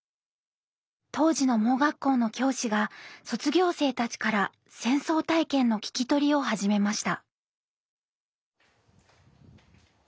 当時の盲学校の教師が卒業生たちから戦争体験の聞き取りを始めました。